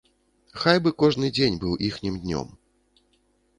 Хай бы кожны дзень быў іхнім днём.